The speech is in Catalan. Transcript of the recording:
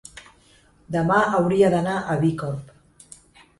Demà hauria d'anar a Bicorb.